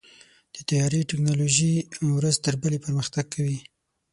د طیارې ټیکنالوژي ورځ تر بلې پرمختګ کوي.